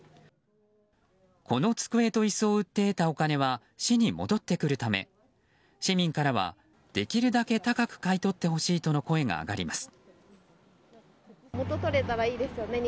この机と椅子を売って得たお金は市に戻ってくるため市民からは、できるだけ高く買い取ってほしいとの声が上がります。